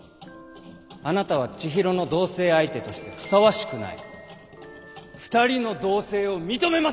あなたは知博の同棲相手としてふさわしくない２人の同棲を認めません！